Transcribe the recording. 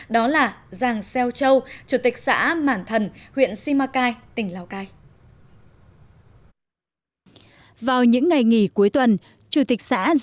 đó là giàng xeo châu chủ tịch xã mản thần huyện simacai tỉnh lào cai